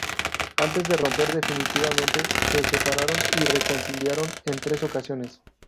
Antes de romper definitivamente, se separaron y reconciliaron en tres ocasiones.